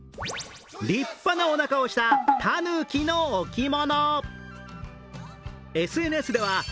立派なおなかをしたたぬきの置物。